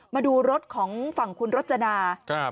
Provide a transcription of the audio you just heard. มาดูรถของฝั่งคุณรจนา